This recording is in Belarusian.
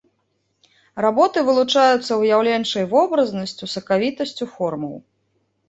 Работы вылучаюцца выяўленчай вобразнасцю, сакавітасцю формаў.